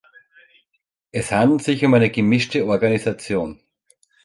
Es handelt sich um eine gemischte Organisation.